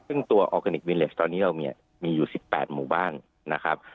ซึ่งตัวออร์แกนิควิเลสตอนนี้เราเนี่ยมีอยู่๑๘หมู่บ้านนะครับ